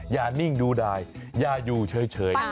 อย่านิ่งดูได้อย่าอยู่เฉย